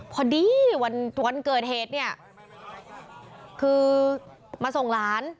พอดีวันเกิดเหตุมาส่งร้าน